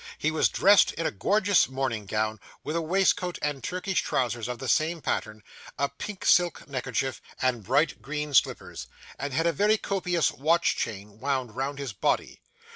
He was dressed in a gorgeous morning gown, with a waistcoat and Turkish trousers of the same pattern, a pink silk neckerchief, and bright green slippers, and had a very copious watch chain wound round his body.